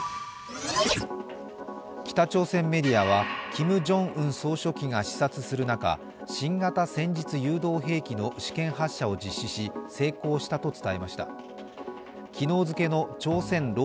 北朝鮮メディアはキム・ジョンウン総書記が視察する中、新型戦術誘導兵器の試験発射を実施し、成功したと発表しました。